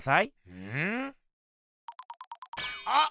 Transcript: うん？あっ！